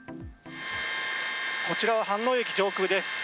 こちらは飯能駅上空です。